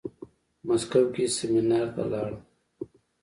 مسکو کې سيمينار ته لاړم.